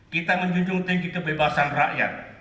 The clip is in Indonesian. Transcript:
kita menjunjung tinggi kebebasan rakyat